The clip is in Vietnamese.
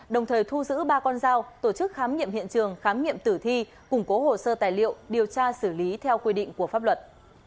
đồng thời thu giữ ba con dao tổ chức khám nghiệm hiện trường khám nghiệm tử thi củng cố hồ sơ tài liệu điều tra xử lý theo quy định của pháp luật